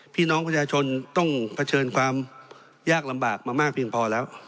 พี่น้องประชาชนต้องเผชิญความยากลำบากมามากเพียงพอแล้ว